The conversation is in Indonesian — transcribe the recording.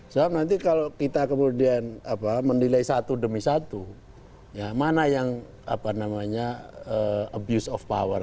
sebab nanti kalau kita kemudian mendilai satu demi satu mana yang abuse of power